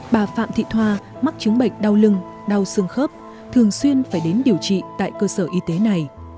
bà phạm thị thoa mắc chứng bệnh đau lưng đau xương khớp thường xuyên phải đến điều trị tại cơ sở y tế này